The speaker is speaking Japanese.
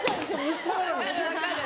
息子なのに。